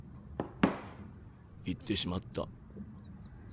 行ってしまった。